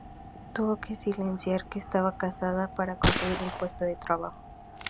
Tuvo que silenciar que estaba casada para conseguir el puesto de trabajo.